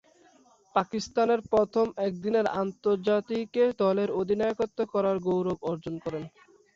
পাকিস্তানের প্রথম একদিনের আন্তর্জাতিকে দলের অধিনায়কত্ব করার গৌরব অর্জন করেন।